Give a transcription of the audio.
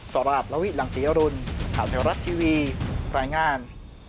สวัสดีครับลาวิทย์หลังศรียรุลถามเทวรัฐทีวีปรายงาน